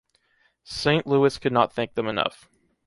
Saint Louis could not thank them enough.